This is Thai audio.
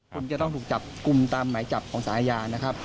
คุณจะต้องถูกจับกลุ่มตามหมายจับของสารอาญานะครับ